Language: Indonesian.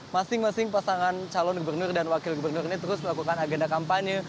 masing masing pasangan calon gubernur dan wakil gubernur ini terus melakukan agenda kampanye